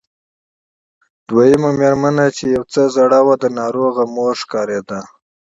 دويمه مېرمنه چې يو څه زړه وه د ناروغې مور ښکارېده.